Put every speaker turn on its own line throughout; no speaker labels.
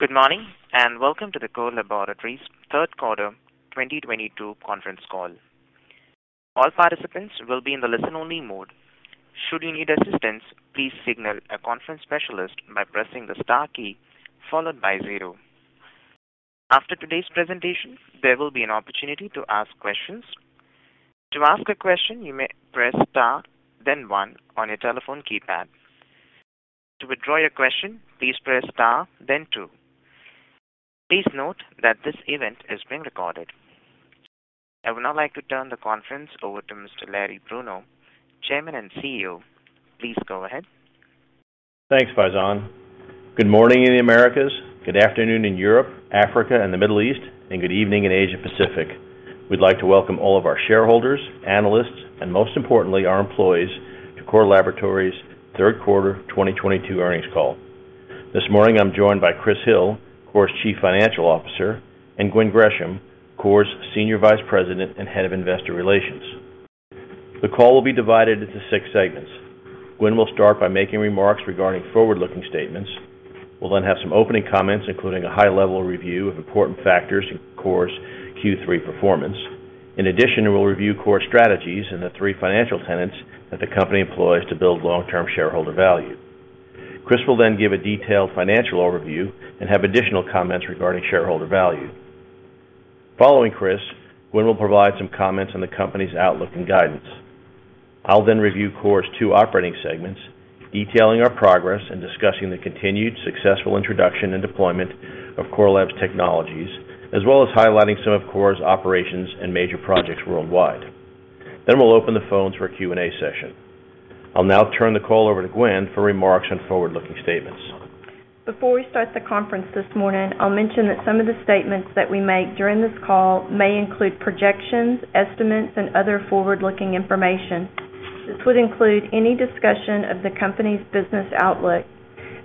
Good morning, and welcome to the Core Laboratories third quarter 2022 conference call. All participants will be in the listen-only mode. Should you need assistance, please signal a conference specialist by pressing the star key followed by zero. After today's presentation, there will be an opportunity to ask questions. To ask a question, you may press star then one on your telephone keypad. To withdraw your question, please press star then two. Please note that this event is being recorded. I would now like to turn the conference over to Mr. Larry Bruno, Chairman and CEO. Please go ahead.
Thanks, Faizan. Good morning in the Americas, good afternoon in Europe, Africa, and the Middle East, and good evening in Asia Pacific. We'd like to welcome all of our shareholders, analysts, and most importantly, our employees to Core Laboratories' third quarter 2022 earnings call. This morning, I'm joined by Chris Hill, Core's Chief Financial Officer, and Gwen Gresham, Core's Senior Vice President and Head of Investor Relations. The call will be divided into six segments. Gwen will start by making remarks regarding forward-looking statements. We'll then have some opening comments, including a high-level review of important factors in Core's Q3 performance. In addition, we'll review Core's strategies and the three financial tenets that the company employs to build long-term shareholder value. Chris will then give a detailed financial overview and have additional comments regarding shareholder value. Following Chris, Gwen will provide some comments on the company's outlook and guidance. I'll then review Core's two operating segments, detailing our progress and discussing the continued successful introduction and deployment of Core Lab's technologies, as well as highlighting some of Core's operations and major projects worldwide. We'll open the phones for a Q&A session. I'll now turn the call over to Gwen for remarks on forward-looking statements.
Before we start the conference this morning, I'll mention that some of the statements that we make during this call may include projections, estimates, and other forward-looking information. This would include any discussion of the company's business outlook.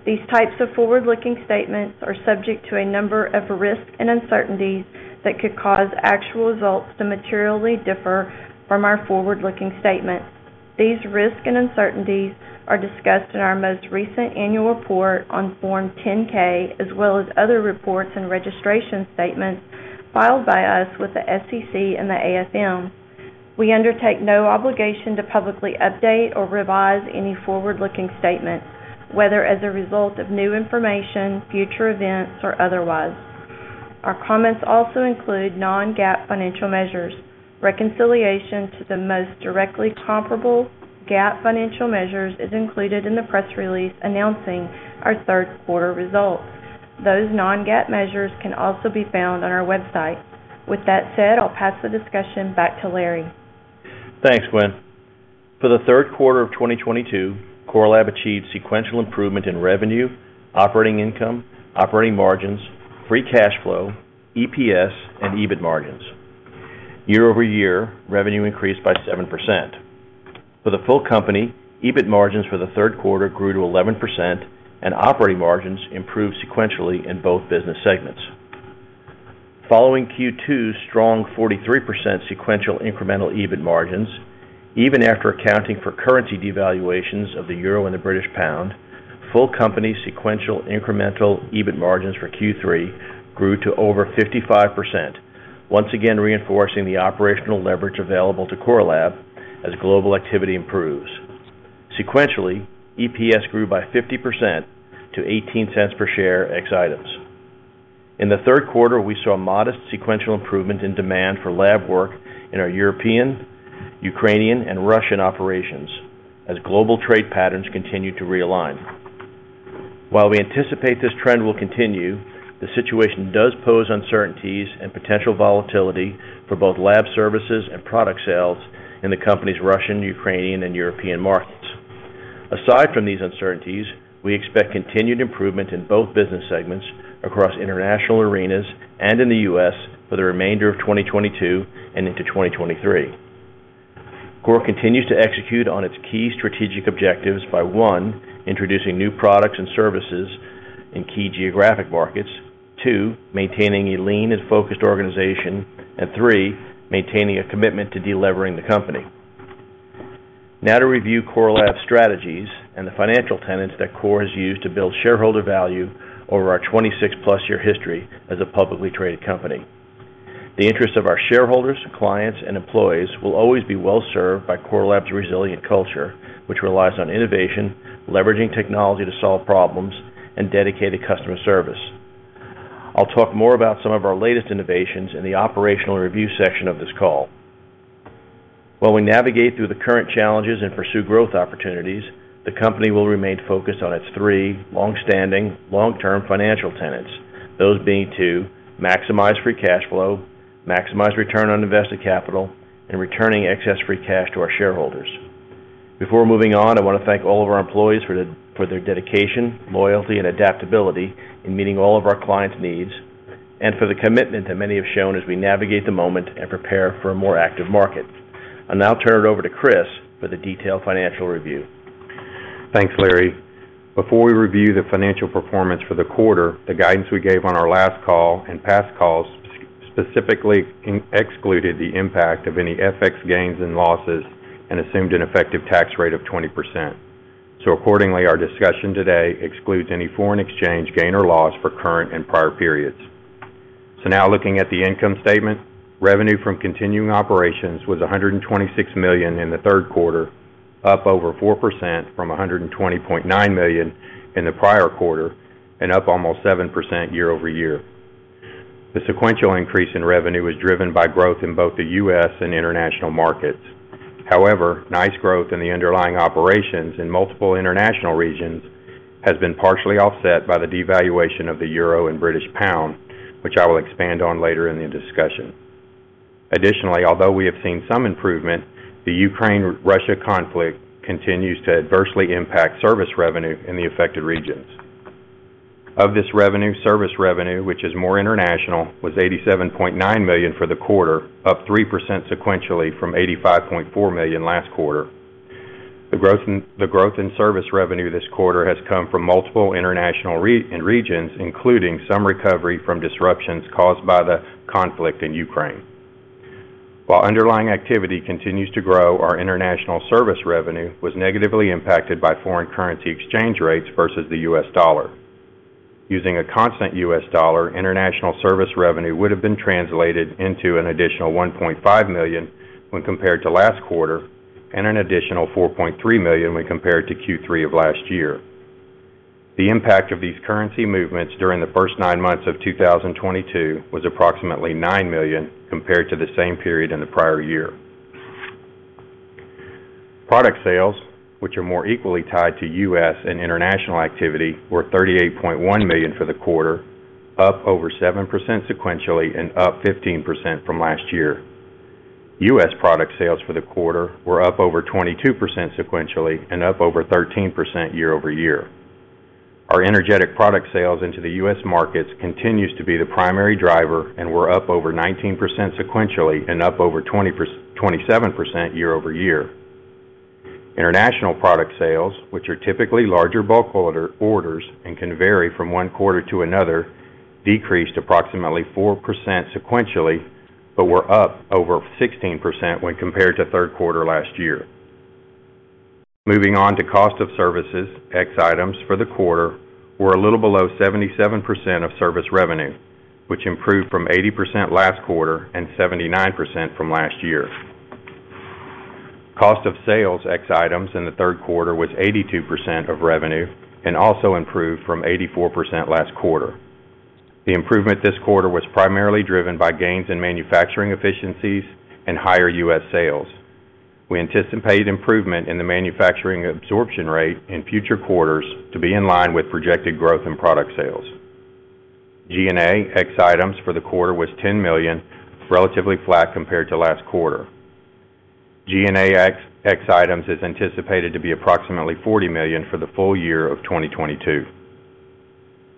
These types of forward-looking statements are subject to a number of risks and uncertainties that could cause actual results to materially differ from our forward-looking statements. These risks and uncertainties are discussed in our most recent annual report on Form 10-K, as well as other reports and registration statements filed by us with the SEC and the AFM. We undertake no obligation to publicly update or revise any forward-looking statements, whether as a result of new information, future events, or otherwise. Our comments also include non-GAAP financial measures. Reconciliation to the most directly comparable GAAP financial measures is included in the press release announcing our third quarter results. Those non-GAAP measures can also be found on our website. With that said, I'll pass the discussion back to Larry.
Thanks, Gwen. For the third quarter of 2022, Core Lab achieved sequential improvement in revenue, operating income, operating margins, free cash flow, EPS, and EBIT margins. Year-over-year, revenue increased by 7%. For the full company, EBIT margins for the third quarter grew to 11% and operating margins improved sequentially in both business segments. Following Q2's strong 43% sequential incremental EBIT margins, even after accounting for currency devaluations of the euro and the British pound, full company sequential incremental EBIT margins for Q3 grew to over 55%, once again reinforcing the operational leverage available to Core Lab as global activity improves. Sequentially, EPS grew by 50% to $0.18 per share ex-items. In the third quarter, we saw a modest sequential improvement in demand for lab work in our European, Ukrainian, and Russian operations as global trade patterns continued to realign. While we anticipate this trend will continue, the situation does pose uncertainties and potential volatility for both lab services and product sales in the company's Russian, Ukrainian, and European markets. Aside from these uncertainties, we expect continued improvement in both business segments across international arenas and in the U.S. for the remainder of 2022 and into 2023. Core continues to execute on its key strategic objectives by, one, introducing new products and services in key geographic markets. Two, maintaining a lean and focused organization. Three, maintaining a commitment to de-levering the company. Now to review Core Lab's strategies and the financial tenets that Core has used to build shareholder value over our 26+-year history as a publicly traded company. The interests of our shareholders, clients, and employees will always be well served by Core Lab's resilient culture, which relies on innovation, leveraging technology to solve problems, and dedicated customer service. I'll talk more about some of our latest innovations in the operational review section of this call. While we navigate through the current challenges and pursue growth opportunities, the company will remain focused on its three long-standing, long-term financial tenets. Those being to maximize free cash flow, maximize return on invested capital, and returning excess free cash to our shareholders. Before moving on, I wanna thank all of our employees for their dedication, loyalty, and adaptability in meeting all of our clients' needs and for the commitment that many have shown as we navigate the moment and prepare for a more active market. I'll now turn it over to Chris for the detailed financial review.
Thanks, Larry. Before we review the financial performance for the quarter, the guidance we gave on our last call and past calls. Specifically excluded the impact of any FX gains and losses and assumed an effective tax rate of 20%. Accordingly, our discussion today excludes any foreign exchange gain or loss for current and prior periods. Now looking at the income statement. Revenue from continuing operations was $126 million in the third quarter, up over 4% from $120.9 million in the prior quarter, and up almost 7% year-over-year. The sequential increase in revenue was driven by growth in both the U.S. and international markets. However, nice growth in the underlying operations in multiple international regions has been partially offset by the devaluation of the Euro and British pound, which I will expand on later in the discussion. Additionally, although we have seen some improvement, the Ukraine-Russia conflict continues to adversely impact service revenue in the affected regions. Of this revenue, service revenue, which is more international, was $87.9 million for the quarter, up 3% sequentially from $85.4 million last quarter. The growth in service revenue this quarter has come from multiple international regions, including some recovery from disruptions caused by the conflict in Ukraine. While underlying activity continues to grow, our international service revenue was negatively impacted by foreign currency exchange rates versus the U.S. dollar. Using a constant U.S. dollar, international service revenue would have been translated into an additional $1.5 million when compared to last quarter, and an additional $4.3 million when compared to Q3 of last year. The impact of these currency movements during the first nine months of 2022 was approximately $9 million compared to the same period in the prior year. Product sales, which are more equally tied to U.S. and international activity, were $38.1 million for the quarter, up over 7% sequentially and up 15% from last year. U.S. product sales for the quarter were up over 22% sequentially and up over 13% year-over-year. Our energetics product sales into the U.S. markets continues to be the primary driver, and we're up over 19% sequentially and up over 27% year-over-year. International product sales, which are typically larger bulk orders and can vary from one quarter to another, decreased approximately 4% sequentially, but were up over 16% when compared to third quarter last year. Moving on to cost of services, ex-items for the quarter were a little below 77% of service revenue, which improved from 80% last quarter and 79% from last year. Cost of sales, ex-items in the third quarter was 82% of revenue and also improved from 84% last quarter. The improvement this quarter was primarily driven by gains in manufacturing efficiencies and higher U.S. sales. We anticipate improvement in the manufacturing absorption rate in future quarters to be in line with projected growth in product sales. G&A, ex-items for the quarter was $10 million, relatively flat compared to last quarter. G&A ex-items is anticipated to be approximately $40 million for the full year of 2022.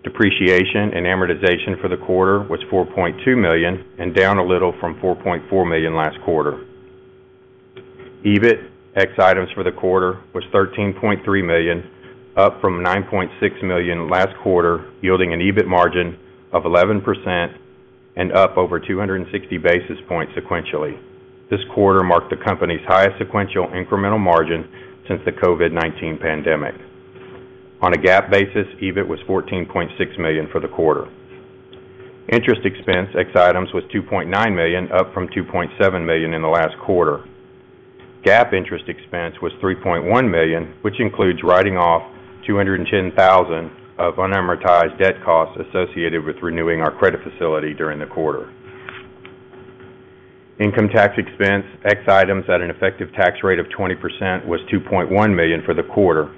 Depreciation and amortization for the quarter was $4.2 million and down a little from $4.4 million last quarter. EBIT, ex-items for the quarter was $13.3 million, up from $9.6 million last quarter, yielding an EBIT margin of 11% and up over 260 basis points sequentially. This quarter marked the company's highest sequential incremental margin since the COVID-19 pandemic. On a GAAP basis, EBIT was $14.6 million for the quarter. Interest expense, ex-tems was $2.9 million, up from $2.7 million in the last quarter. GAAP interest expense was $3.1 million, which includes writing off $210,000 of unamortized debt costs associated with renewing our credit facility during the quarter. Income tax expense, ex-items at an effective tax rate of 20% was $2.1 million for the quarter,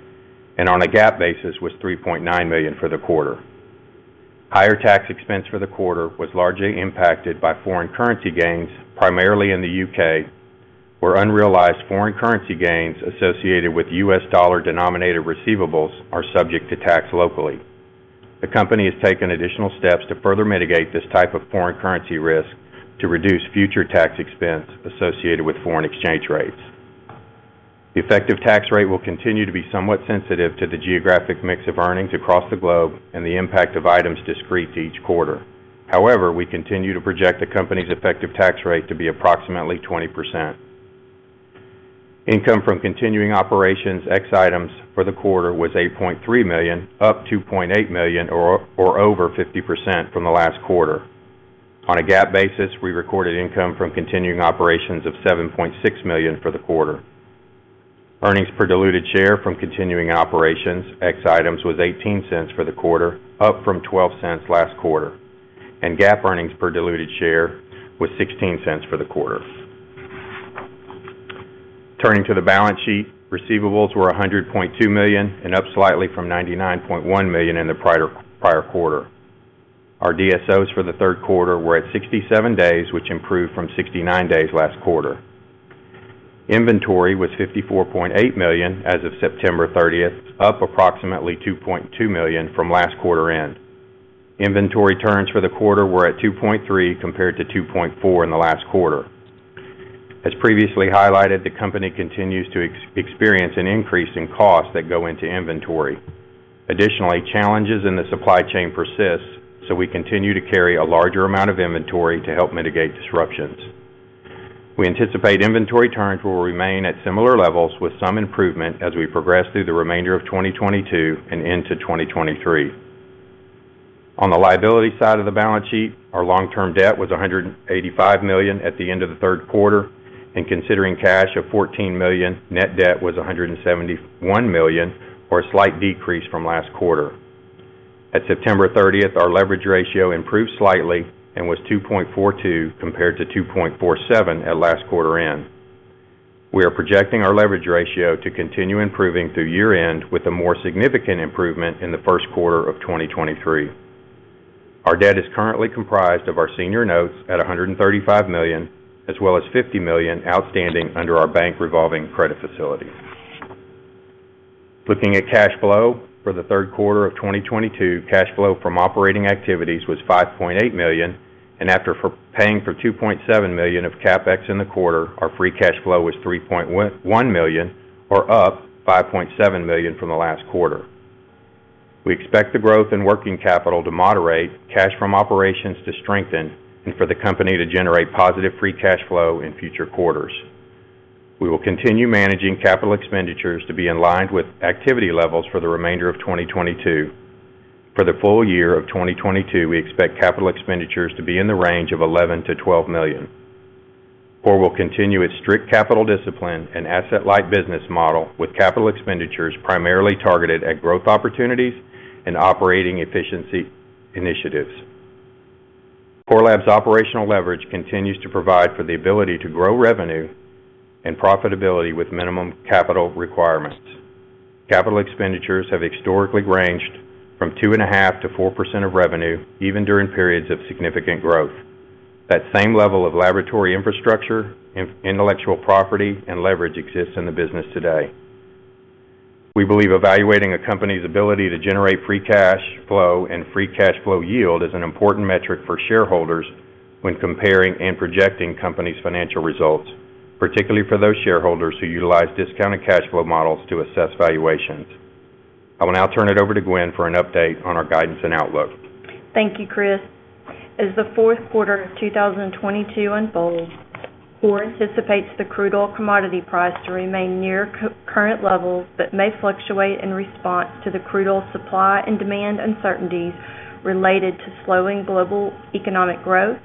and on a GAAP basis was $3.9 million for the quarter. Higher tax expense for the quarter was largely impacted by foreign currency gains, primarily in the U.K., where unrealized foreign currency gains associated with U.S. dollar-denominated receivables are subject to tax locally. The company has taken additional steps to further mitigate this type of foreign currency risk to reduce future tax expense associated with foreign exchange rates. The effective tax rate will continue to be somewhat sensitive to the geographic mix of earnings across the globe and the impact of items discrete to each quarter. However, we continue to project the company's effective tax rate to be approximately 20%. Income from continuing operations, ex-items for the quarter was $8.3 million, up $2.8 million or over 50% from the last quarter. On a GAAP basis, we recorded income from continuing operations of $7.6 million for the quarter. Earnings per diluted share from continuing operations, ex-items was $0.18 for the quarter, up from $0.12 last quarter, and GAAP earnings per diluted share was $0.16 for the quarter. Turning to the balance sheet, receivables were $100.2 million and up slightly from $99.1 million in the prior quarter. Our DSO for the third quarter were at 67 days, which improved from 69 days last quarter. Inventory was $54.8 million as of September 30th, up approximately $2.2 million from last quarter end. Inventory turns for the quarter were at 2.3 compared to 2.4 in the last quarter. As previously highlighted, the company continues to experience an increase in costs that go into inventory. Additionally, challenges in the supply chain persist, so we continue to carry a larger amount of inventory to help mitigate disruptions. We anticipate inventory turns will remain at similar levels with some improvement as we progress through the remainder of 2022 and into 2023. On the liability side of the balance sheet, our long-term debt was $185 million at the end of the third quarter, and considering cash of $14 million, net debt was $171 million, or a slight decrease from last quarter. At September 30th, our leverage ratio improved slightly and was 2.42 compared to 2.47 at last quarter end. We are projecting our leverage ratio to continue improving through year-end with a more significant improvement in the first quarter of 2023. Our debt is currently comprised of our senior notes at $135 million as well as $50 million outstanding under our bank revolving credit facility. Looking at cash flow. For the third quarter of 2022, cash flow from operating activities was $5.8 million, and after paying for $2.7 million of CapEx in the quarter, our free cash flow was $3.1 million or up $5.7 million from the last quarter. We expect the growth in working capital to moderate, cash from operations to strengthen, and for the company to generate positive free cash flow in future quarters. We will continue managing capital expenditures to be in line with activity levels for the remainder of 2022. For the full year of 2022, we expect capital expenditures to be in the range of $11 million-$12 million. Core will continue its strict capital discipline and asset-light business model with capital expenditures primarily targeted at growth opportunities and operating efficiency initiatives. Core Lab's operational leverage continues to provide for the ability to grow revenue and profitability with minimum capital requirements. Capital expenditures have historically ranged from 2.5%-4% of revenue even during periods of significant growth. That same level of laboratory infrastructure, intellectual property, and leverage exists in the business today. We believe evaluating a company's ability to generate free cash flow and free cash flow yield is an important metric for shareholders when comparing and projecting companies' financial results, particularly for those shareholders who utilize discounted cash flow models to assess valuations. I will now turn it over to Gwen for an update on our guidance and outlook.
Thank you, Chris. As the fourth quarter of 2022 unfolds, Core anticipates the crude oil commodity price to remain near current levels that may fluctuate in response to the crude oil supply and demand uncertainties related to slowing global economic growth,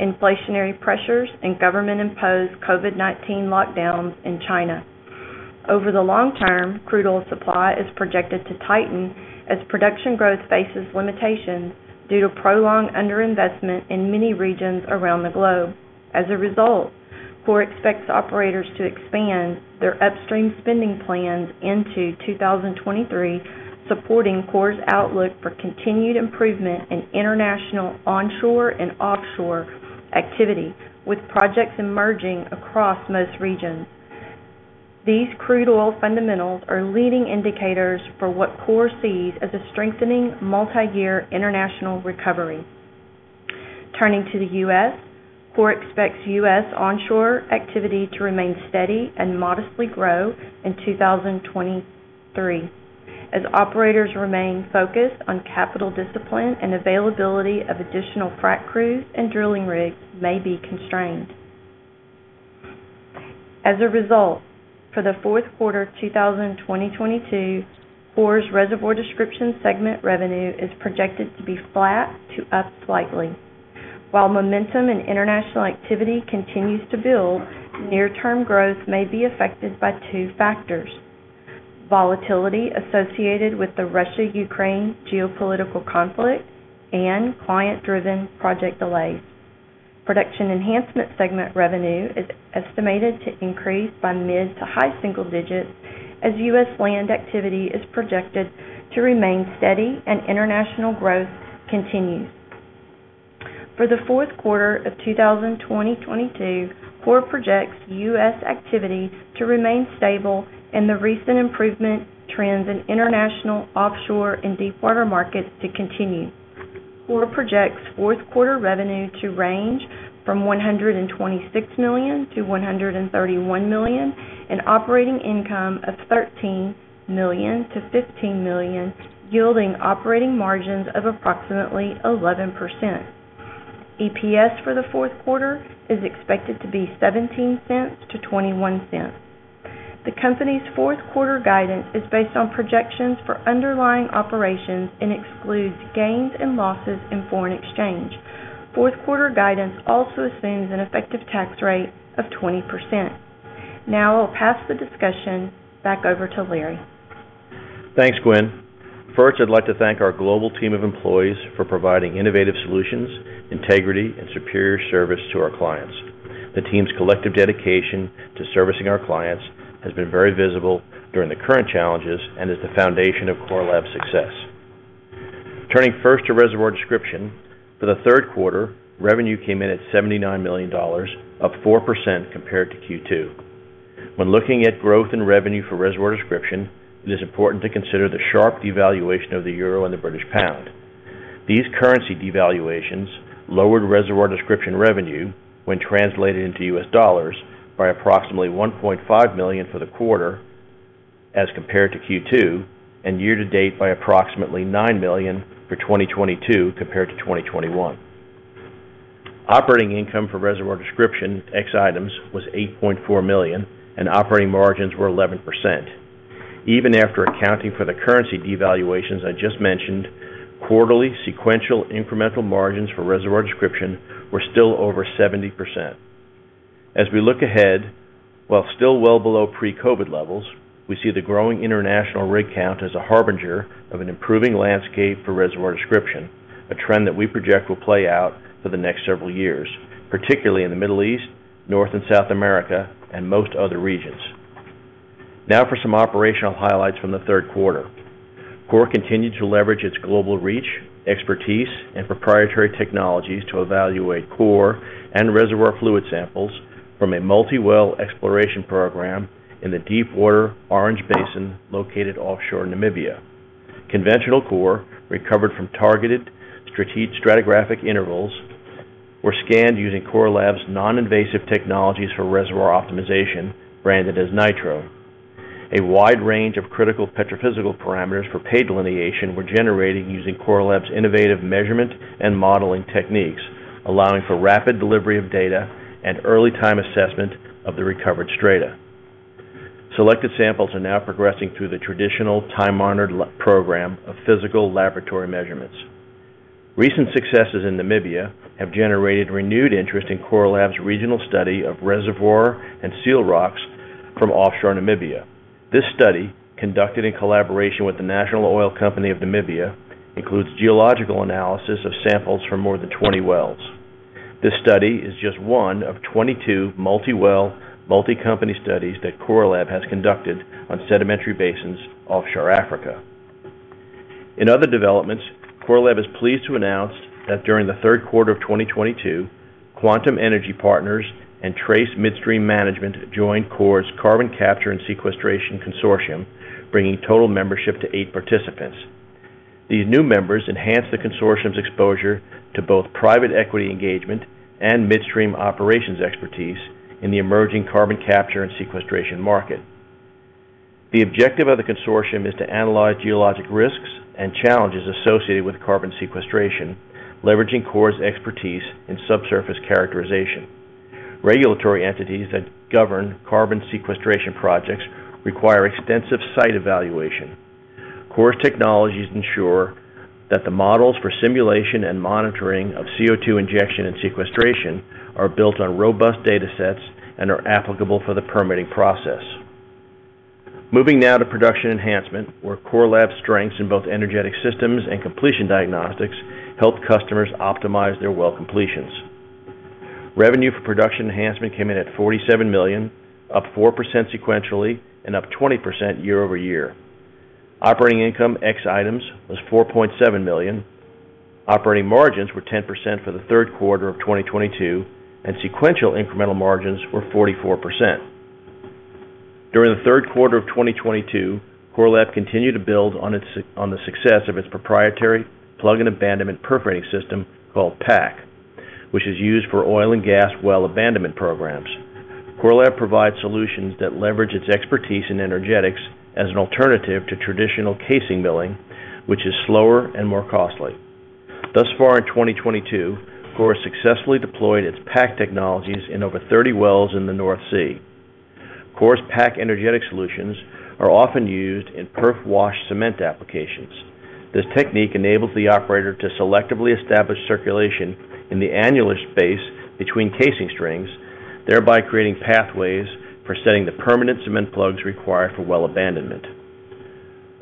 inflationary pressures, and government-imposed COVID-19 lockdowns in China. Over the long term, crude oil supply is projected to tighten as production growth faces limitations due to prolonged under-investment in many regions around the globe. As a result, Core expects operators to expand their upstream spending plans into 2023, supporting Core's outlook for continued improvement in international onshore and offshore activity, with projects emerging across most regions. These crude oil fundamentals are leading indicators for what Core sees as a strengthening multiyear international recovery. Turning to the U.S., Core expects U.S. onshore activity to remain steady and modestly grow in 2023 as operators remain focused on capital discipline and availability of additional frac crews and drilling rigs may be constrained. As a result, for the fourth quarter of 2022, Core's Reservoir Description segment revenue is projected to be flat to up slightly. While momentum and international activity continues to build, near-term growth may be affected by two factors, volatility associated with the Russia-Ukraine geopolitical conflict and client-driven project delays. Production Enhancement segment revenue is estimated to increase by mid- to high-single digits as U.S. land activity is projected to remain steady and international growth continues. For the fourth quarter of 2022, Core projects U.S. activity to remain stable and the recent improvement trends in international, offshore, and deepwater markets to continue. Core projects fourth quarter revenue to range from $126 million-$131 million, and operating income of $13 million-$15 million, yielding operating margins of approximately 11%. EPS for the fourth quarter is expected to be $0.17-$0.21. The company's fourth quarter guidance is based on projections for underlying operations and excludes gains and losses in foreign exchange. Fourth quarter guidance also assumes an effective tax rate of 20%. Now I'll pass the discussion back over to Larry.
Thanks, Gwen. First, I'd like to thank our global team of employees for providing innovative solutions, integrity, and superior service to our clients. The team's collective dedication to servicing our clients has been very visible during the current challenges and is the foundation of Core Lab's success. Turning first to Reservoir Description. For the third quarter, revenue came in at $79 million, up 4% compared to Q2. When looking at growth in revenue for Reservoir Description, it is important to consider the sharp devaluation of the euro and the British pound. These currency devaluations lowered Reservoir Description revenue when translated into U.S. dollars by approximately $1.5 million for the quarter as compared to Q2 and year-to-date by approximately $9 million for 2022 compared to 2021. Operating income for Reservoir Description ex-items was $8.4 million and operating margins were 11%. Even after accounting for the currency devaluations I just mentioned, quarterly sequential incremental margins for Reservoir Description were still over 70%. As we look ahead, while still well below pre-COVID levels, we see the growing international rig count as a harbinger of an improving landscape for Reservoir Description, a trend that we project will play out for the next several years, particularly in the Middle East, North and South America, and most other regions. Now for some operational highlights from the third quarter. Core continued to leverage its global reach, expertise, and proprietary technologies to evaluate core and reservoir fluid samples from a multi-well exploration program in the deepwater Orange Basin located offshore Namibia. Conventional core recovered from targeted strategic stratigraphic intervals were scanned using Core Lab's non-invasive technologies for reservoir optimization, branded as NITRO. A wide range of critical petrophysical parameters for pay delineation were generated using Core Lab's innovative measurement and modeling techniques, allowing for rapid delivery of data and early time assessment of the recovered strata. Selected samples are now progressing through the traditional time-honored program of physical laboratory measurements. Recent successes in Namibia have generated renewed interest in Core Lab's regional study of reservoir and seal rocks from offshore Namibia. This study, conducted in collaboration with the National Petroleum Corporation of Namibia, includes geological analysis of samples from more than 20 wells. This study is just one of 22 multi-well, multi-company studies that Core Lab has conducted on sedimentary basins offshore Africa. In other developments, Core Lab is pleased to announce that during the third quarter of 2022, Quantum Energy Partners and Trace Midstream joined Core's Carbon Capture and Sequestration Consortium, bringing total membership to eight participants. These new members enhance the consortium's exposure to both private equity engagement and midstream operations expertise in the emerging carbon capture and sequestration market. The objective of the consortium is to analyze geologic risks and challenges associated with carbon sequestration, leveraging Core's expertise in subsurface characterization. Regulatory entities that govern carbon sequestration projects require extensive site evaluation. Core's technologies ensure that the models for simulation and monitoring of CO2 injection and sequestration are built on robust data sets and are applicable for the permitting process. Moving now to production enhancement, where Core Lab's strengths in both energetic systems and completion diagnostics help customers optimize their well completions. Revenue for production enhancement came in at $47 million, up 4% sequentially and up 20% year-over-year. Operating income ex-items was $4.7 million. Operating margins were 10% for the third quarter of 2022, and sequential incremental margins were 44%. During the third quarter of 2022, Core Lab continued to build on the success of its proprietary plug and abandonment perforating system called PAC, which is used for oil and gas well abandonment programs. Core Lab provides solutions that leverage its expertise in energetics as an alternative to traditional casing milling, which is slower and more costly. Thus far in 2022, Core has successfully deployed its PAC technologies in over 30 wells in the North Sea. Core's PAC energetic solutions are often used in perf wash cement applications. This technique enables the operator to selectively establish circulation in the annulus space between casing strings, thereby creating pathways for setting the permanent cement plugs required for well abandonment.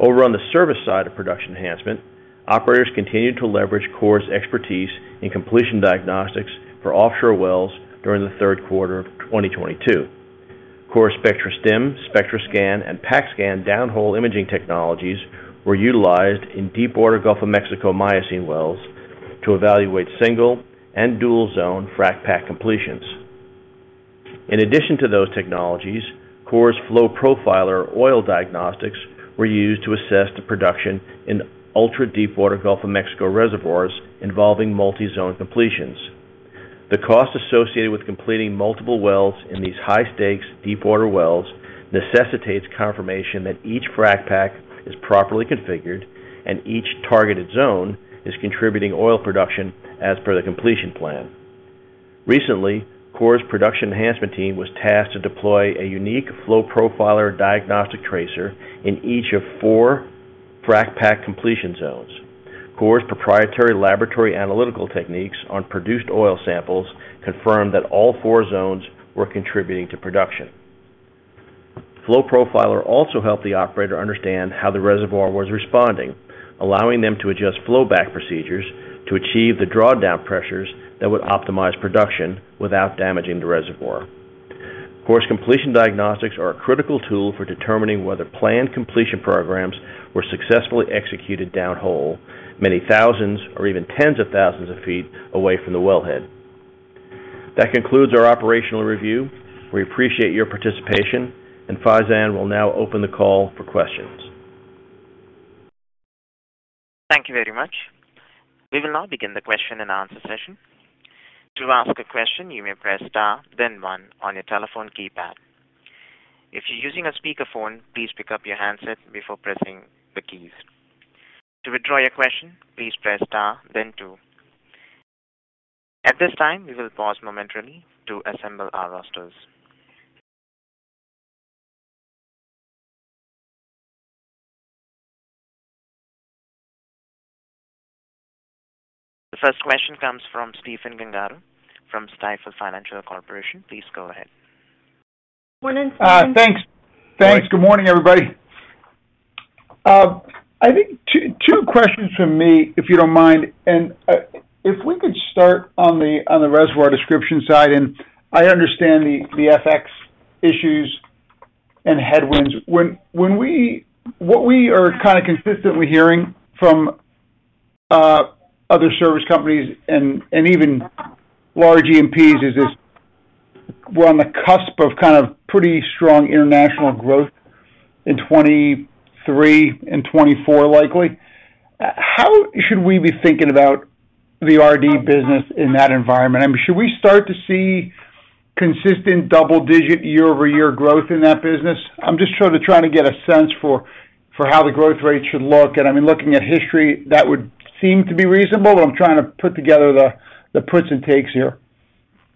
Over on the service side of production enhancement, operators continued to leverage Core's expertise in completion diagnostics for offshore wells during the third quarter of 2022. Core's SPECTRASTIM, SPECTRASCAN, and PACKSCAN downhole imaging technologies were utilized in deepwater Gulf of Mexico Miocene wells to evaluate single and dual zone frac pack completions. In addition to those technologies, Core's FLOWPROFILER oil diagnostics were used to assess the production in ultra-deepwater Gulf of Mexico reservoirs involving multi-zone completions. The cost associated with completing multiple wells in these high-stakes, deepwater wells necessitates confirmation that each frac pack is properly configured and each targeted zone is contributing oil production as per the completion plan. Recently, Core's production enhancement team was tasked to deploy a unique FLOWPROFILER diagnostic tracer in each of four frac pack completion zones. Core's proprietary laboratory analytical techniques on produced oil samples confirmed that all four zones were contributing to production. FLOWPROFILER also helped the operator understand how the reservoir was responding, allowing them to adjust flow back procedures to achieve the drawdown pressures that would optimize production without damaging the reservoir. Core's completion diagnostics are a critical tool for determining whether planned completion programs were successfully executed downhole many thousands or even tens of thousands of feet away from the wellhead. That concludes our operational review. We appreciate your participation, and Faizan will now open the call for questions.
Thank you very much. We will now begin the question and answer session. To ask a question, you may press star, then one on your telephone keypad. If you're using a speakerphone, please pick up your handset before pressing the keys. To withdraw your question, please press star then two. At this time, we will pause momentarily to assemble our rosters. The first question comes from Stephen Gengaro from Stifel Financial Corp. Please go ahead.
Good morning, Stephen.
Thanks. Good morning, everybody. I think two questions from me, if you don't mind. If we could start on the reservoir description side, I understand the FX issues and headwinds. What we are kinda consistently hearing from other service companies and even large E&Ps is this, we're on the cusp of kind of pretty strong international growth in 2023 and 2024 likely. How should we be thinking about the RD business in that environment? I mean, should we start to see consistent double-digit year-over-year growth in that business? I'm just trying to get a sense for how the growth rate should look. I mean, looking at history, that would seem to be reasonable, but I'm trying to put together the puts and takes here.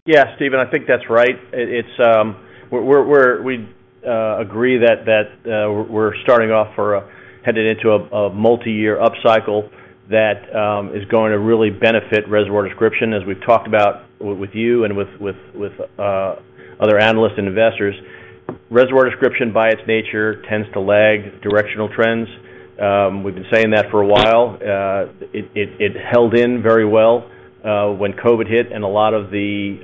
Yeah, Stephen, I think that's right. It's, we agree that we're headed into a multi-year upcycle that is going to really benefit Reservoir Description, as we've talked about with you and with other analysts and investors. Reservoir Description by its nature tends to lag directional trends. We've been saying that for a while. It held in very well when COVID hit and a lot of the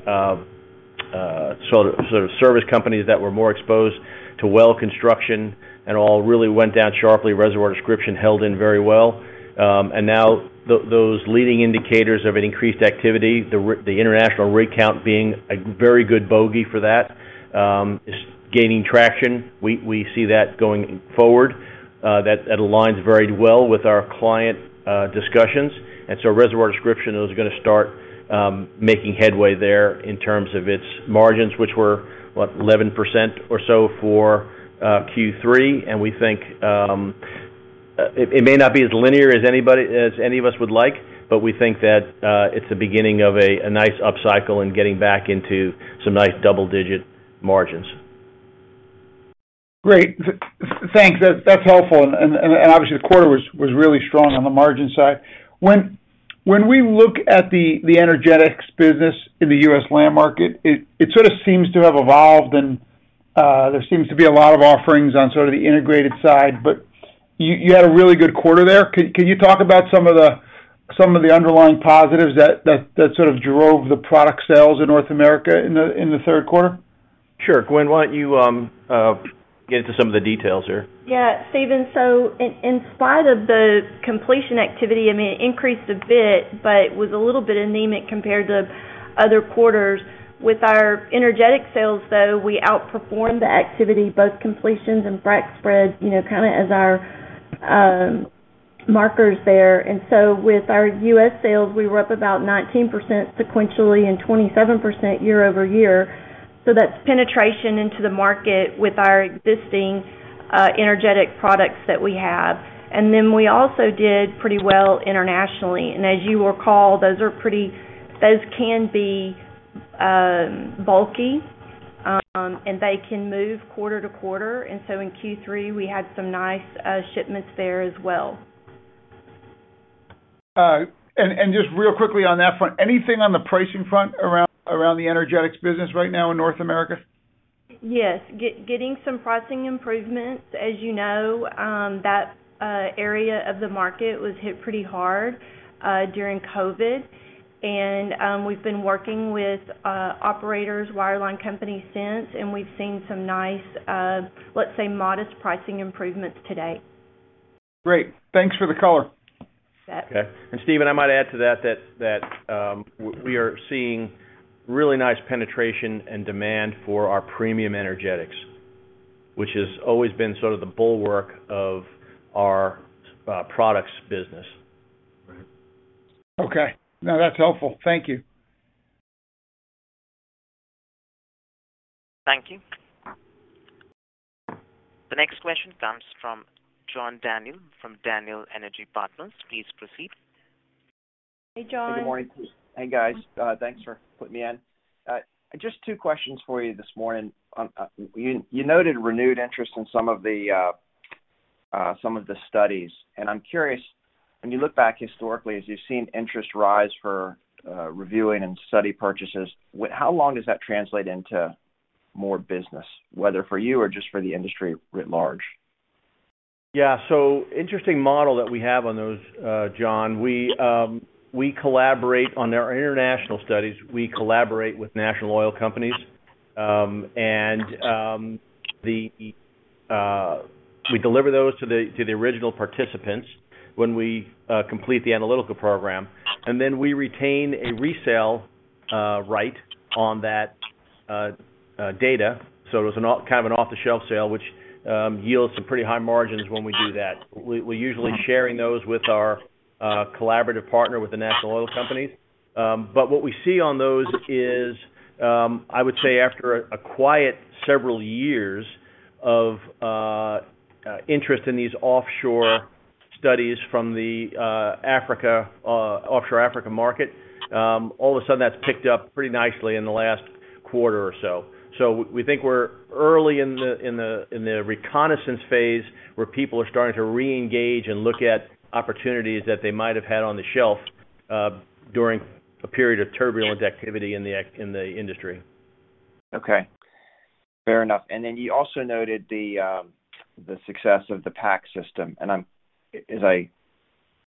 sort of service companies that were more exposed to well construction and all really went down sharply. Reservoir Description held in very well. Those leading indicators of an increased activity, the international rig count being a very good bogey for that, is gaining traction. We see that going forward. That aligns very well with our client discussions. Reservoir Description is gonna start making headway there in terms of its margins, which were what 11% or so for Q3. We think it may not be as linear as any of us would like, but we think that it's the beginning of a nice upcycle and getting back into some nice double-digit margins.
Great. Thanks. That's helpful. Obviously, the quarter was really strong on the margin side. When we look at the energetics business in the U.S. land market, it sort of seems to have evolved and there seems to be a lot of offerings on sort of the integrated side, but you had a really good quarter there. Can you talk about some of the underlying positives that sort of drove the product sales in North America in the third quarter?
Sure. Gwen, why don't you get into some of the details here?
Yeah. Stephen, in spite of the completion activity, I mean, it increased a bit, but it was a little bit anemic compared to other quarters. With our energetics sales, though, we outperformed the activity, both completions and frac spread, you know, kinda as our markers there. With our U.S. sales, we were up about 19% sequentially and 27% year-over-year. That's penetration into the market with our existing energetics products that we have. We also did pretty well internationally. As you recall, those can be bulky, and they can move quarter to quarter. In Q3, we had some nice shipments there as well.
Just real quickly on that front, anything on the pricing front around the energetics business right now in North America?
Yes. Getting some pricing improvements. As you know, that area of the market was hit pretty hard during COVID. We've been working with operators, wireline companies since, and we've seen some nice, let's say, modest pricing improvements today.
Great. Thanks for the color.
You bet.
Okay. Stephen, I might add to that, we are seeing really nice penetration and demand for our premium energetics, which has always been sort of the bulwark of our products business.
Right. Okay. No, that's helpful. Thank you.
Thank you. The next question comes from John Daniel from Daniel Energy Partners. Please proceed.
Hey, John.
Good morning. Hey, guys. Thanks for putting me in. Just two questions for you this morning. You noted renewed interest in some of the studies. I'm curious, when you look back historically as you've seen interest rise for reviewing and study purchases, how long does that translate into more business, whether for you or just for the industry writ large?
Yeah. Interesting model that we have on those, John. We collaborate on our international studies. We collaborate with national oil companies, and we deliver those to the original participants when we complete the analytical program. Then we retain a resale right on that data. It was a cabin off-the-shelf sale, which yields some pretty high margins when we do that. We're usually sharing those with our collaborative partner with the national oil companies. What we see on those is, I would say after a quiet several years of interest in these offshore studies from the Africa offshore market, all of a sudden that's picked up pretty nicely in the last quarter or so. We think we're early in the reconnaissance phase where people are starting to reengage and look at opportunities that they might have had on the shelf during a period of turbulent activity in the industry.
Okay. Fair enough. Then you also noted the success of the PAC system. As I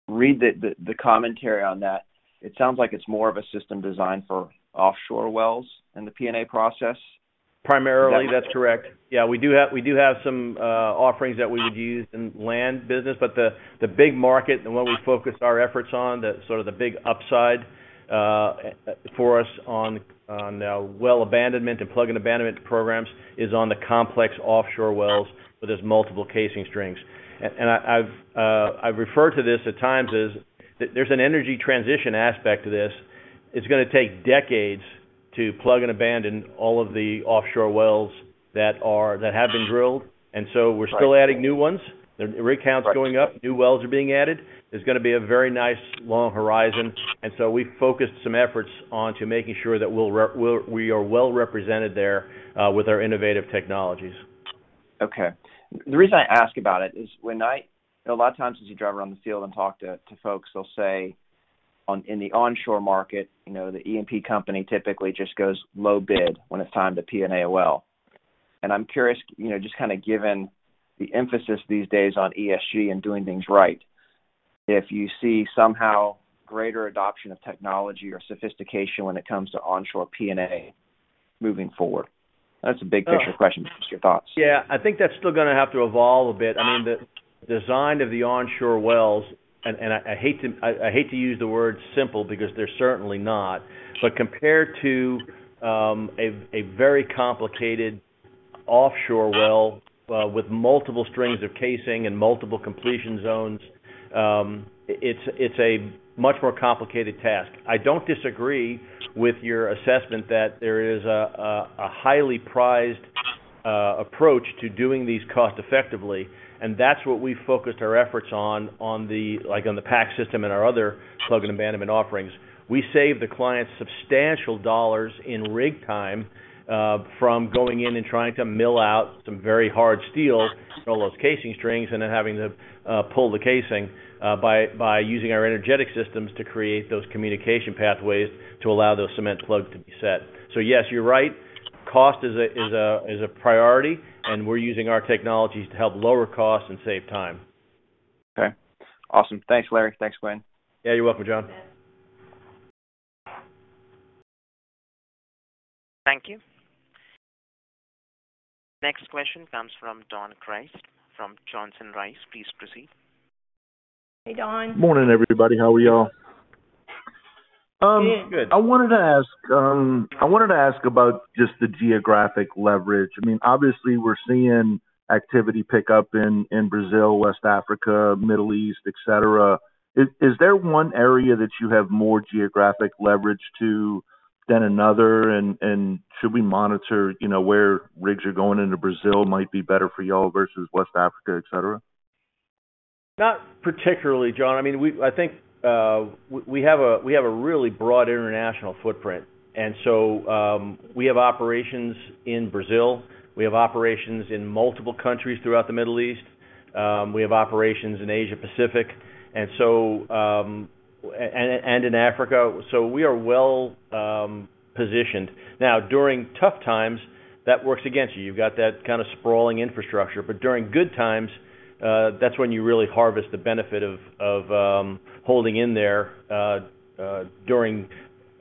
read the commentary on that, it sounds like it's more of a system designed for offshore wells in the P&A process.
Primarily, that's correct. Yeah, we do have some offerings that we would use in inland business, but the big market and where we focus our efforts on, the sort of, the big upside for us on well abandonment and plug and abandonment programs is on the complex offshore wells where there's multiple casing strings. I have referred to this at times as there's an energy transition aspect to this. It's gonna take decades to plug and abandon all of the offshore wells that have been drilled. We're still adding new ones. The rig count's going up. New wells are being added. There's gonna be a very nice long horizon. We focused some efforts onto making sure that we are well represented there with our innovative technologies.
Okay. The reason I ask about it is. A lot of times as you drive around the field and talk to folks, they'll say on, in the onshore market, you know, the E&P company typically just goes low bid when it's time to P&A oil. I'm curious, you know, just kinda given the emphasis these days on ESG and doing things right, if you see somehow greater adoption of technology or sophistication when it comes to onshore P&A moving forward. That's a big picture question. Just your thoughts.
Yeah. I think that's still gonna have to evolve a bit. I mean, the design of the onshore wells, and I hate to use the word simple because they're certainly not, but compared to a very complicated offshore well with multiple strings of casing and multiple completion zones, it's a much more complicated task. I don't disagree with your assessment that there is a highly prized approach to doing these cost effectively, and that's what we focused our efforts on, like, on the PAC system and our other plug and abandonment offerings. We save the client substantial dollars in rig time from going in and trying to mill out some very hard steel from those casing strings and then having to pull the casing by using our energetic systems to create those communication pathways to allow those cement plugs to be set. Yes, you're right, cost is a priority, and we're using our technologies to help lower costs and save time.
Okay. Awesome. Thanks, Larry. Thanks, Gwen.
Yeah, you're welcome, John.
Thank you. Next question comes from Don Crist from Johnson Rice. Please proceed.
Hey, Don.
Morning, everybody. How are y'all?
Yeah, good.
I wanted to ask about just the geographic leverage. I mean, obviously we're seeing activity pick up in Brazil, West Africa, Middle East, et cetera. Is there one area that you have more geographic leverage to than another? And should we monitor, you know, where rigs are going into Brazil might be better for y'all versus West Africa, et cetera?
Not particularly, John. I mean, I think we have a really broad international footprint, and we have operations in Brazil. We have operations in multiple countries throughout the Middle East. We have operations in Asia Pacific and in Africa. We are well positioned. Now, during tough times, that works against you. You've got that kinda sprawling infrastructure. During good times, that's when you really harvest the benefit of holding in there during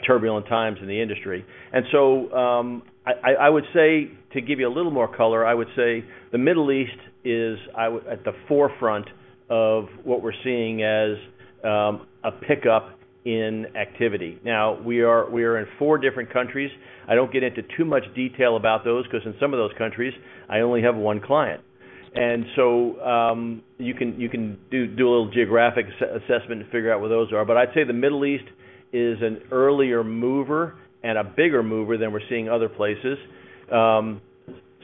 turbulent times in the industry. I would say, to give you a little more color, I would say the Middle East is at the forefront of what we're seeing as a pickup in activity. Now, we are in four different countries. I don't get into too much detail about those because in some of those countries, I only have one client. You can do a little geographic assessment to figure out where those are. I'd say the Middle East is an earlier mover and a bigger mover than we're seeing other places.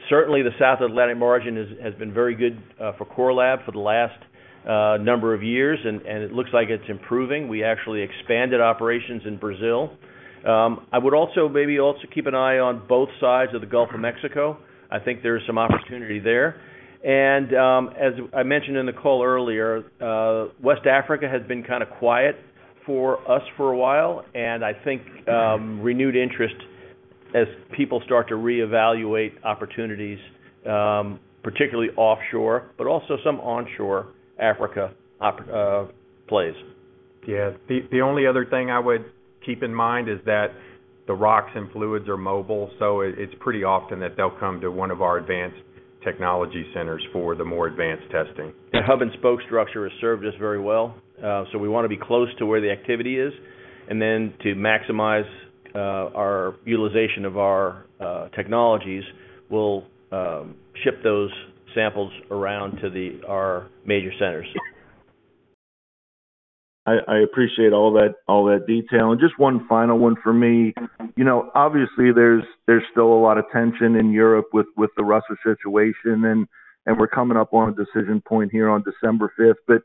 Certainly the South Atlantic margin has been very good for Core Lab for the last number of years, and it looks like it's improving. We actually expanded operations in Brazil. I would also maybe keep an eye on both sides of the Gulf of Mexico. I think there's some opportunity there. As I mentioned in the call earlier, West Africa has been kinda quiet for us for a while, and I think renewed interest as people start to reevaluate opportunities, particularly offshore, but also some onshore Africa plays.
Yeah. The only other thing I would keep in mind is that the rocks and fluids are mobile, so it's pretty often that they'll come to one of our advanced technology centers for the more advanced testing.
The hub and spoke structure has served us very well. We wanna be close to where the activity is. To maximize our utilization of our technologies, we'll ship those samples around to our major centers.
I appreciate all that detail. Just one final one for me. You know, obviously, there's still a lot of tension in Europe with the Russia situation and we're coming up on a decision point here on December 5th.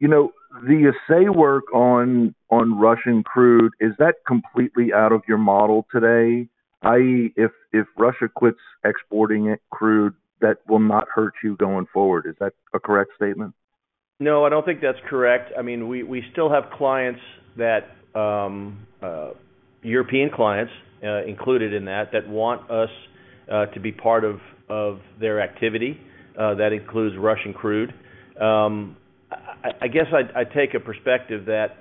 You know, the assay work on Russian crude, is that completely out of your model today? i.e., if Russia quits exporting its crude, that will not hurt you going forward. Is that a correct statement?
No, I don't think that's correct. I mean, we still have clients that, European clients included in that want us to be part of their activity that includes Russian crude. I guess I'd take a perspective that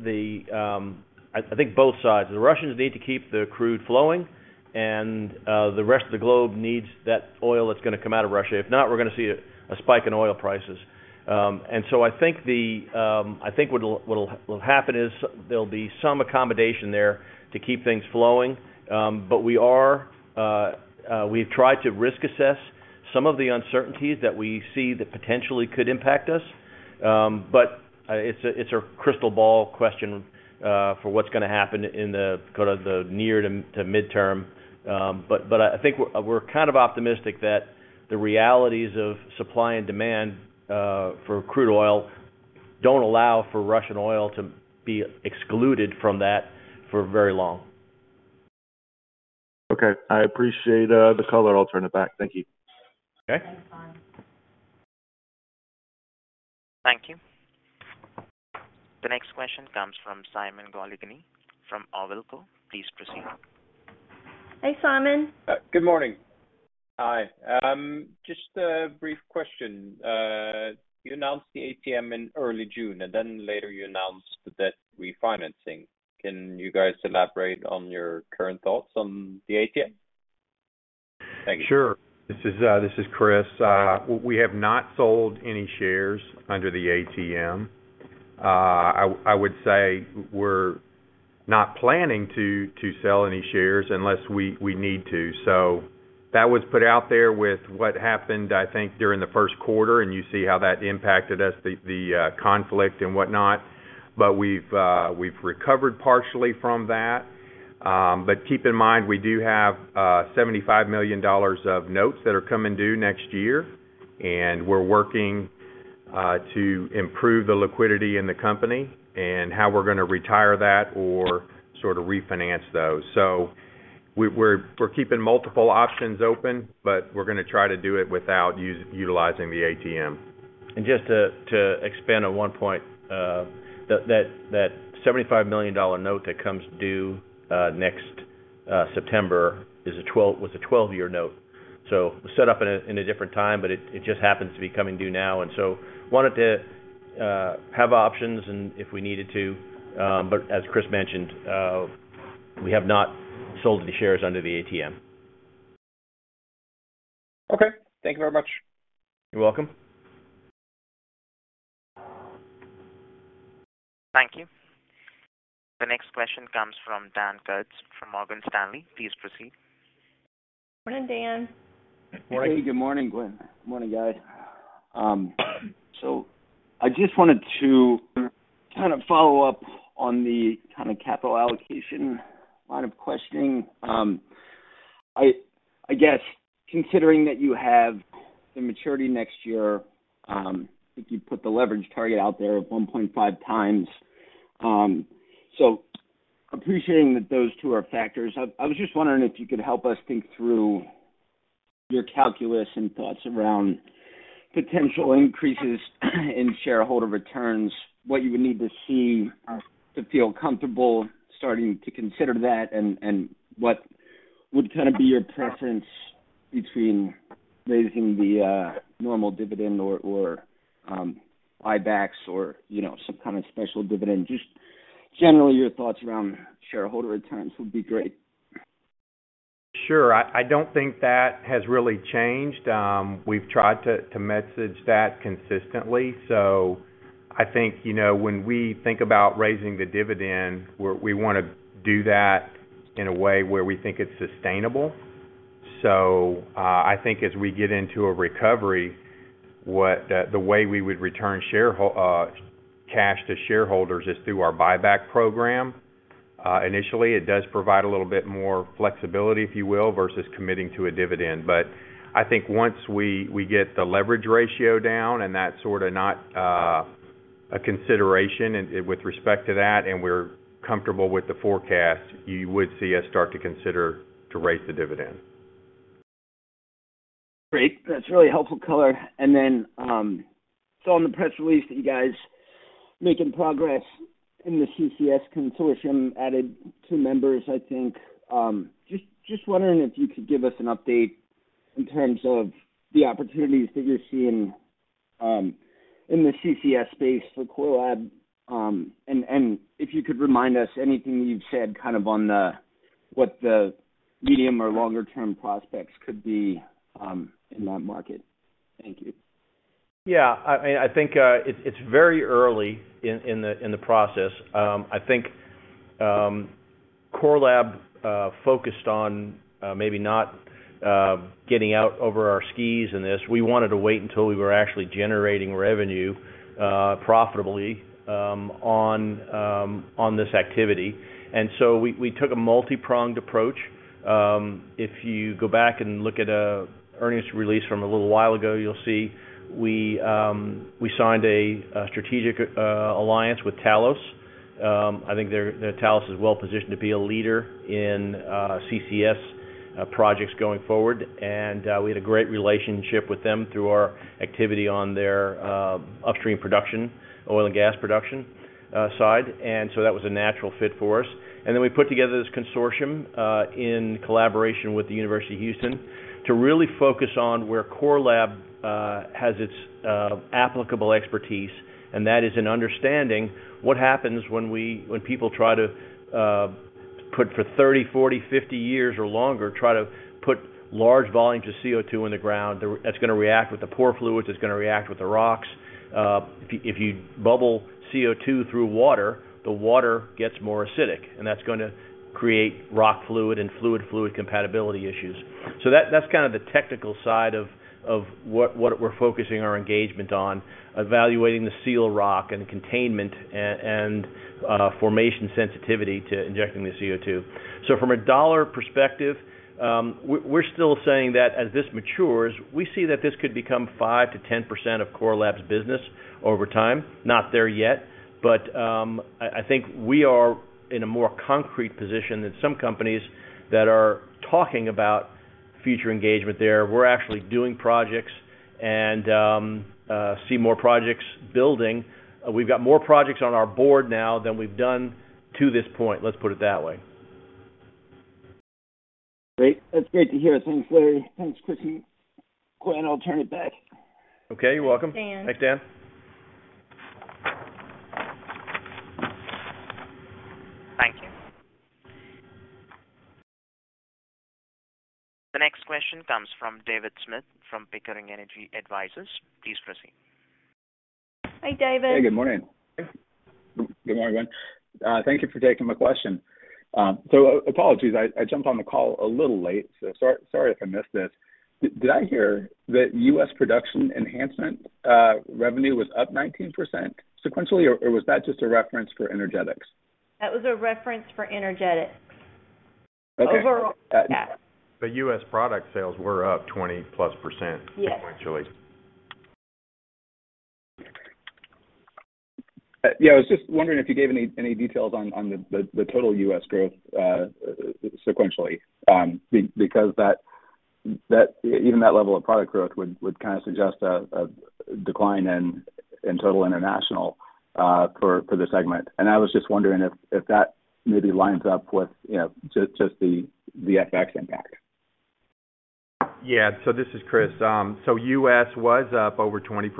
I think both sides. The Russians need to keep the crude flowing, and the rest of the globe needs that oil that's gonna come out of Russia. If not, we're gonna see a spike in oil prices. I think what will happen is there'll be some accommodation there to keep things flowing. We've tried to risk assess some of the uncertainties that we see that potentially could impact us. It's a crystal ball question for what's gonna happen in the near to midterm. But I think we're optimistic that the realities of supply and demand for crude oil don't allow for Russian oil to be excluded from that for very long.
Okay. I appreciate the color. I'll turn it back. Thank you.
Okay.
Thanks, Don Crist.
Thank you. The next question comes from Simon Galligani from Awilco. Please proceed.
Hey, Simon.
Good morning. Just a brief question. You announced the ATM in early June, and then later you announced the debt refinancing. Can you guys elaborate on your current thoughts on the ATM? Thank you.
This is Chris Hill. We have not sold any shares under the ATM. I would say we're not planning to sell any shares unless we need to. That was put out there with what happened, I think during the first quarter, and you see how that impacted us, the conflict and whatnot. We've recovered partially from that. Keep in mind, we do have $75 million of notes that are coming due next year, and we're working to improve the liquidity in the company and how we're gonna retire that or sort of refinance those. We're keeping multiple options open, but we're gonna try to do it without utilizing the ATM.
To expand on one point, that $75 million note that comes due next September was a 12-year note, so set up in a different time, but it just happens to be coming due now. Wanted to have options and if we needed to, but as Chris mentioned, we have not sold the shares under the ATM.
Okay. Thank you very much.
You're welcome.
Thank you. The next question comes from Dan Kutz from Morgan Stanley. Please proceed.
Morning, Dan.
Morning.
Hey, good morning, Gwen. Morning, guys. I just wanted to kind of follow up on the kind of capital allocation line of questioning. I guess considering that you have the maturity next year, if you put the leverage target out there of 1.5x, appreciating that those two are factors, I was just wondering if you could help us think through your calculus and thoughts around potential increases in shareholder returns, what you would need to see to feel comfortable starting to consider that, and what would kind of be your preference between raising the normal dividend or buybacks or, you know, some kind of special dividend? Just generally your thoughts around shareholder returns would be great.
Sure. I don't think that has really changed. We've tried to message that consistently. I think, you know, when we think about raising the dividend, we wanna do that in a way where we think it's sustainable. I think as we get into a recovery, the way we would return cash to shareholders is through our buyback program. Initially, it does provide a little bit more flexibility, if you will, versus committing to a dividend. I think once we get the leverage ratio down and that's sort of not a consideration and with respect to that, and we're comfortable with the forecast, you would see us start to consider to raise the dividend.
Great. That's really helpful color. I saw in the press release that you guys making progress in the CCS consortium, added two members, I think. Just wondering if you could give us an update in terms of the opportunities that you're seeing in the CCS space for Core Lab, and if you could remind us anything you've said kind of on the what the medium or longer term prospects could be in that market. Thank you.
I think it's very early in the process. I think Core Lab focused on maybe not getting out over our skis in this. We wanted to wait until we were actually generating revenue profitably on this activity. We took a multipronged approach. If you go back and look at an earnings release from a little while ago, you'll see we signed a strategic alliance with Talos. I think that Talos is well-positioned to be a leader in CCS projects going forward. We had a great relationship with them through our activity on their upstream production, oil and gas production side. That was a natural fit for us. We put together this consortium in collaboration with the University of Houston to really focus on where Core Lab has its applicable expertise, and that is in understanding what happens when people try to put for 30, 40, 50 years or longer, try to put large volumes of CO2 in the ground. That's gonna react with the pore fluids, it's gonna react with the rocks. If you bubble CO2 through water, the water gets more acidic, and that's gonna create rock fluid and fluid-fluid compatibility issues. That's kind of the technical side of what we're focusing our engagement on, evaluating the seal rock and containment and formation sensitivity to injecting the CO2. From a dollar perspective, we're still saying that as this matures, we see that this could become 5%-10% of Core Lab's business over time. Not there yet. I think we are in a more concrete position than some companies that are talking about future engagement there. We're actually doing projects and we see more projects building. We've got more projects on our board now than we've done to this point, let's put it that way.
Great. That's great to hear. Thanks, Larry. Thanks, Chris. Gwen, I'll turn it back.
Okay. You're welcome.
Thanks, Dan.
Thanks, Dan.
Thank you. The next question comes from David Smith from Pickering Energy Partners. Please proceed.
Hi, David.
Hey, good morning. Good morning. Thank you for taking my question. Apologies, I jumped on the call a little late, so sorry if I missed this. Did I hear that U.S. Production Enhancement revenue was up 19% sequentially, or was that just a reference for energetics?
That was a reference for energetics.
Okay.
Overall. Yeah.
U.S. product sales were up 20%+ sequentially.
Yes.
Yeah, I was just wondering if you gave any details on the total U.S. growth sequentially because that even that level of product growth would kind of suggest a decline in total international for the segment. I was just wondering if that maybe lines up with, you know, just the FX impact.
Yeah. This is Chris. U.S. was up over 20%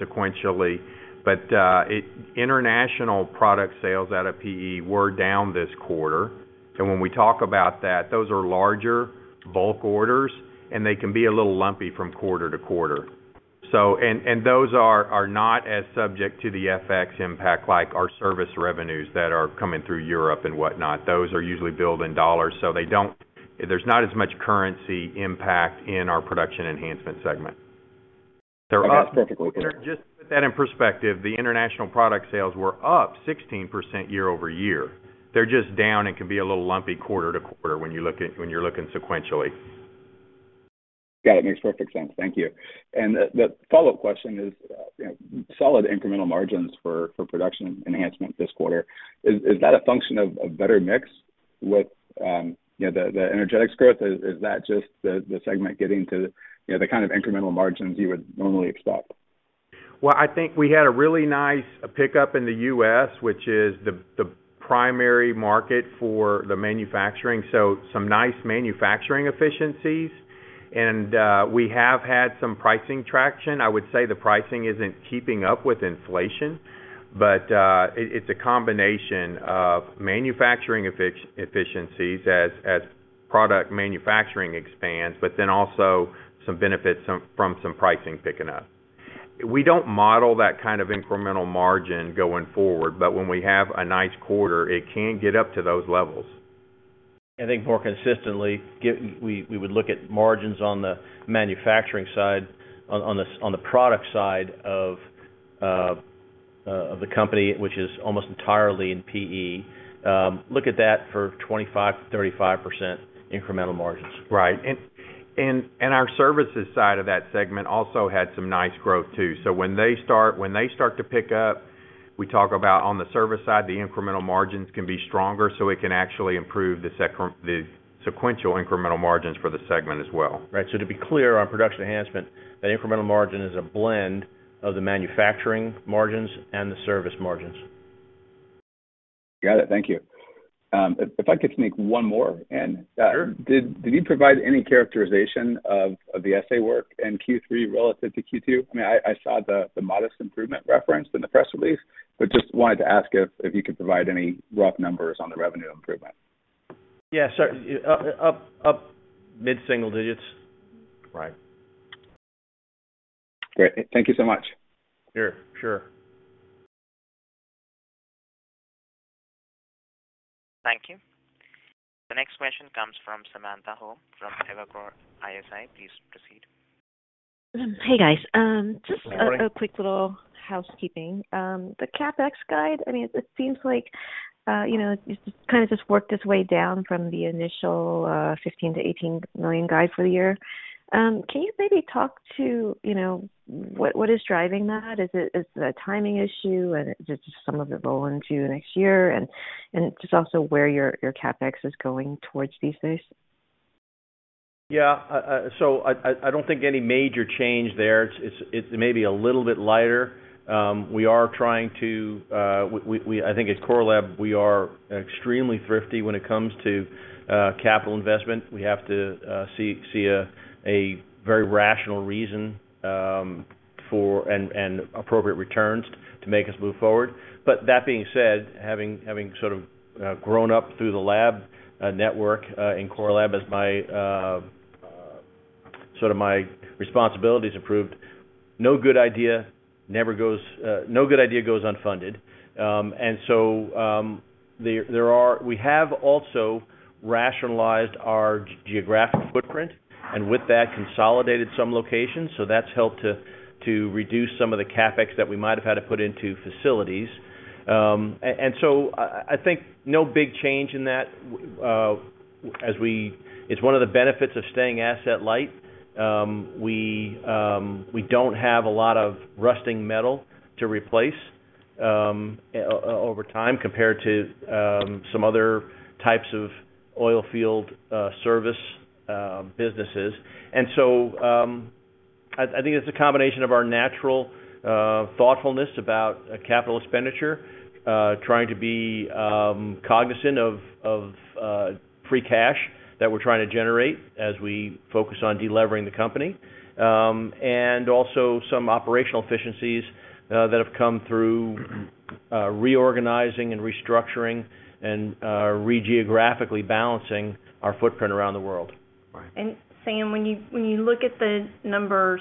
sequentially, but international product sales out of PE were down this quarter. When we talk about that, those are larger bulk orders, and they can be a little lumpy from quarter-to-quarter. Those are not as subject to the FX impact like our service revenues that are coming through Europe and whatnot. Those are usually billed in dollars, so there's not as much currency impact in our Production Enhancement segment.
Okay.
Just to put that in perspective, the international product sales were up 16% year-over-year. They're just down and can be a little lumpy quarter-to-quarter when you're looking sequentially.
Got it. Makes perfect sense. Thank you. The follow-up question is, you know, solid incremental margins for Production Enhancement this quarter. Is that a function of a better mix with, you know, the energetics growth? Is that just the segment getting to, you know, the kind of incremental margins you would normally expect?
Well, I think we had a really nice pickup in the U.S., which is the primary market for the manufacturing, so some nice manufacturing efficiencies. We have had some pricing traction. I would say the pricing isn't keeping up with inflation, but it's a combination of manufacturing efficiencies as product manufacturing expands, but then also some benefits from some pricing picking up. We don't model that kind of incremental margin going forward, but when we have a nice quarter, it can get up to those levels. I think more consistently, we would look at margins on the manufacturing side, on the product side of the company, which is almost entirely in PE. Look at that for 25%-35% incremental margins. Right. Our services side of that segment also had some nice growth too. When they start to pick up, we talk about on the service side, the incremental margins can be stronger, so it can actually improve the sequential incremental margins for the segment as well. Right. To be clear on Production Enhancement, the incremental margin is a blend of the manufacturing margins and the service margins.
Got it. Thank you. If I could sneak one more in.
Sure.
Did you provide any characterization of the assay work in Q3 relative to Q2? I mean, I saw the modest improvement referenced in the press release, but just wanted to ask if you could provide any rough numbers on the revenue improvement.
Yeah, sure. Up mid-single digits.
Right. Great. Thank you so much.
Sure, sure.
Thank you. The next question comes from Samantha Hoh from Evercore ISI. Please proceed.
Hey, guys. Just a quick little housekeeping. The CapEx guide, I mean, it seems like, you know, it's kind of just worked its way down from the initial $15 million-$18 million guide for the year. Can you maybe talk to, you know, what is driving that? Is it a timing issue and does some of it roll into next year? Just also where your CapEx is going towards these days?
Yeah. I don't think any major change there. It's maybe a little bit lighter. We are trying to. I think at Core Lab, we are extremely thrifty when it comes to capital investment. We have to see a very rational reason for and appropriate returns to make us move forward. But that being said, having sort of grown up through the lab network in Core Lab as my sort of my responsibilities improved, no good idea goes unfunded. We have also rationalized our geographic footprint, and with that consolidated some locations. That's helped to reduce some of the CapEx that we might have had to put into facilities. I think no big change in that. It's one of the benefits of staying asset light. We don't have a lot of rusting metal to replace over time compared to some other types of oil field service businesses. I think it's a combination of our natural thoughtfulness about capital expenditure, trying to be cognizant of free cash that we're trying to generate as we focus on delevering the company, and also some operational efficiencies that have come through reorganizing and restructuring and re-geographically balancing our footprint around the world.
Right. Sam, when you look at the numbers,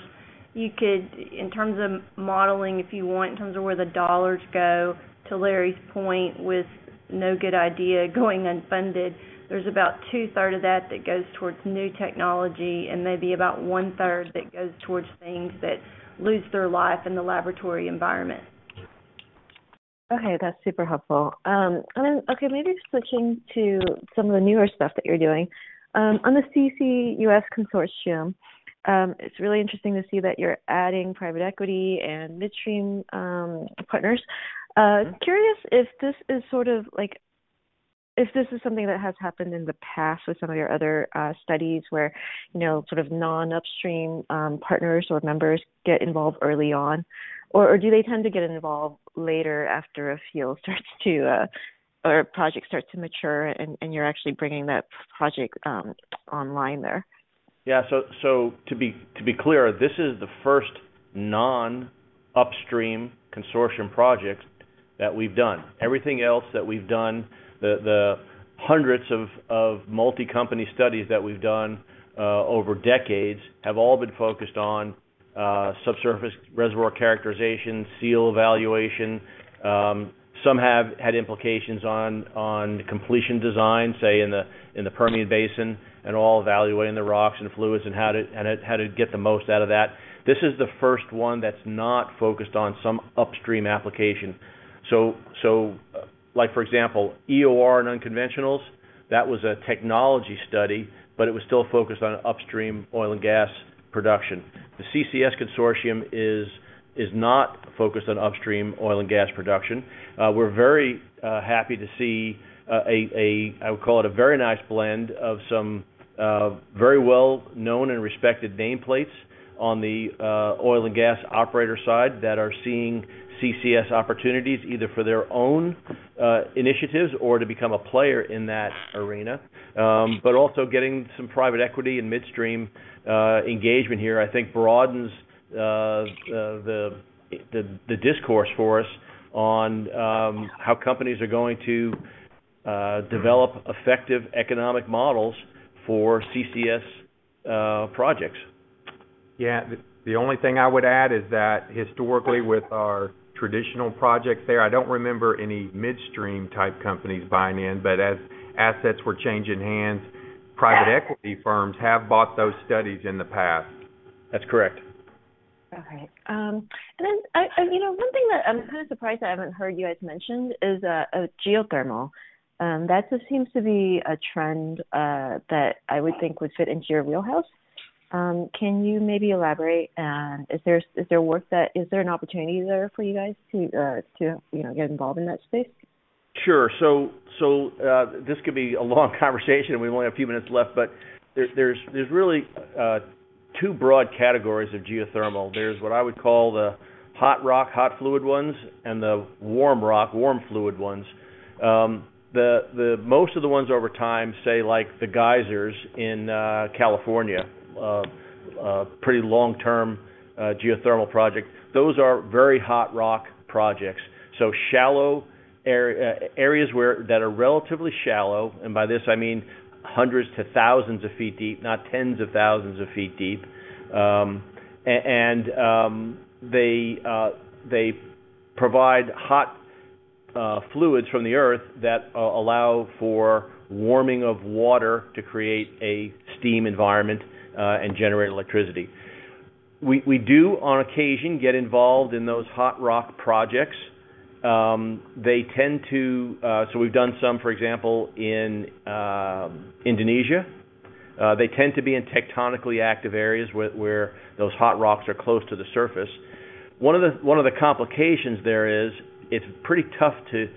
you could, in terms of modeling, if you want, in terms of where the dollars go, to Larry's point, with no good idea going unfunded, there's about two-thirds of that that goes towards new technology and maybe about 1/3 that goes towards things that lose their life in the laboratory environment.
Okay, that's super helpful. Okay, maybe switching to some of the newer stuff that you're doing. On the CCUS consortium, it's really interesting to see that you're adding private equity and midstream partners. Curious if this is sort of like if this is something that has happened in the past with some of your other studies where you know, sort of non-upstream partners or members get involved early on. Or do they tend to get involved later after a field starts to or a project starts to mature and you're actually bringing that project online there?
Yeah. To be clear, this is the first non-upstream consortium project that we've done. Everything else that we've done, the hundreds of multi-company studies that we've done over decades have all been focused on subsurface reservoir characterization, seal evaluation. Some have had implications on completion design, say in the Permian Basin and all evaluating the rocks and fluids and how to get the most out of that. This is the first one that's not focused on some upstream application. Like for example, EOR and unconventionals, that was a technology study, but it was still focused on upstream oil and gas production. The CCS consortium is not focused on upstream oil and gas production. We're very happy to see a I would call it a very nice blend of some very well-known and respected nameplates on the oil and gas operator side that are seeing CCS opportunities either for their own initiatives or to become a player in that arena. Also getting some private equity and midstream engagement here, I think broadens the discourse for us on how companies are going to develop effective economic models for CCS projects.
Yeah. The only thing I would add is that historically with our traditional projects there, I don't remember any midstream type companies buying in, but as assets were changing hands, private equity firms have bought those studies in the past.
That's correct.
Okay. You know, one thing that I'm kinda surprised I haven't heard you guys mention is geothermal. That just seems to be a trend that I would think would fit into your wheelhouse. Can you maybe elaborate? Is there an opportunity there for you guys to, you know, get involved in that space?
Sure. This could be a long conversation, and we only have a few minutes left, but there's really two broad categories of geothermal. There's what I would call the hot rock, hot fluid ones and the warm rock, warm fluid ones. Most of the ones over time, like, The Geysers in California, a pretty long-term geothermal project, those are very hot rock projects. Shallow areas that are relatively shallow, and by this, I mean hundreds to thousands of feet deep, not tens of thousands of feet deep. They provide hot fluids from the earth that allow for warming of water to create a steam environment and generate electricity. We do, on occasion, get involved in those hot rock projects. They tend to. We've done some, for example, in Indonesia. They tend to be in tectonically active areas where those hot rocks are close to the surface. One of the complications there is it's pretty tough to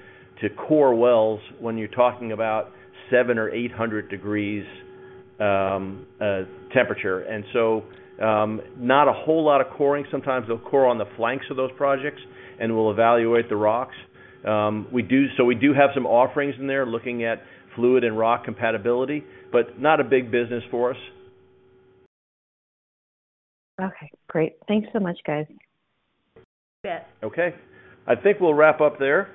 core wells when you're talking about 700 or 800 degrees temperature. Not a whole lot of coring. Sometimes they'll core on the flanks of those projects, and we'll evaluate the rocks. We do have some offerings in there looking at fluid and rock compatibility, but not a big business for us.
Okay, great. Thanks so much, guys.
Okay. I think we'll wrap up there.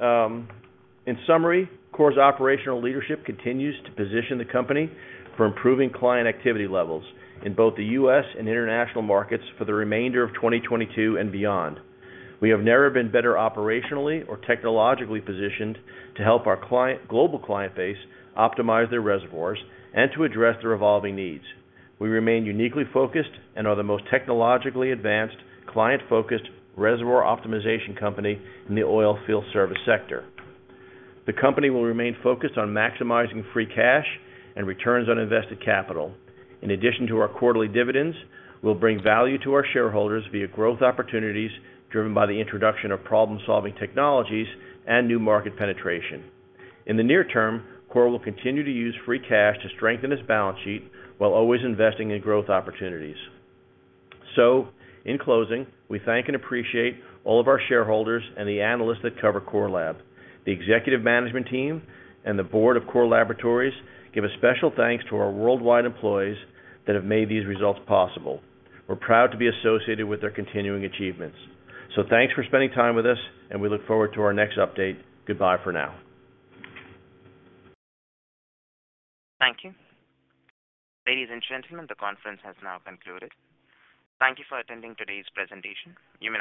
In summary, Core's operational leadership continues to position the company for improving client activity levels in both the U.S. and international markets for the remainder of 2022 and beyond. We have never been better operationally or technologically positioned to help our global client base optimize their reservoirs and to address their evolving needs. We remain uniquely focused and are the most technologically advanced, client-focused reservoir optimization company in the oilfield service sector. The company will remain focused on maximizing free cash and returns on invested capital. In addition to our quarterly dividends, we'll bring value to our shareholders via growth opportunities driven by the introduction of problem-solving technologies and new market penetration. In the near term, Core will continue to use free cash to strengthen its balance sheet while always investing in growth opportunities. In closing, we thank and appreciate all of our shareholders and the analysts that cover Core Lab. The executive management team and the board of Core Laboratories give a special thanks to our worldwide employees that have made these results possible. We're proud to be associated with their continuing achievements. Thanks for spending time with us, and we look forward to our next update. Goodbye for now.
Thank you. Ladies and gentlemen, the conference has now concluded. Thank you for attending today's presentation.